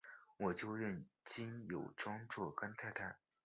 我就认金友庄做干太太！